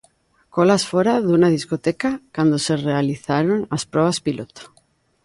Colas fóra dunha discoteca cando se realizaron as probas piloto.